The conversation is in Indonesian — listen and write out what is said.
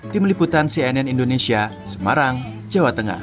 tim liputan cnn indonesia semarang jawa tengah